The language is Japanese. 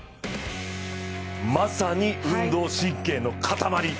まさに運動神経の塊。